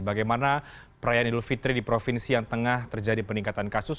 bagaimana perayaan idul fitri di provinsi yang tengah terjadi peningkatan kasus